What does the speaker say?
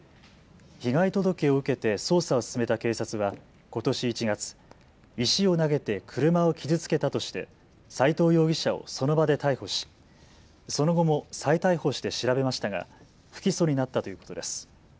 被害届を受けて捜査を進めた警察はことし１月、石を投げて車を傷つけたとして斎藤容疑者をその場で逮捕しその後も再逮捕して調べましたが不起訴になったということです。